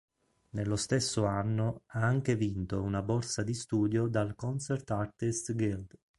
Nello stesso anno ha anche vinto una borsa di studio dal Concert Artists Guild.